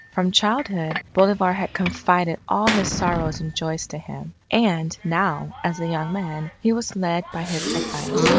From childhood, Bolivar had confided all his sorrows and joys to him. And, now, as a young man, he was led by his advice.